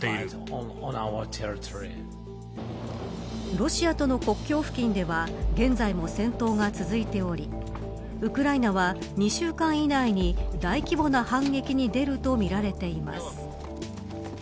ロシアとの国境付近では現在も戦闘が続いておりウクライナは２週間以内に大規模な反撃に出るとみられています。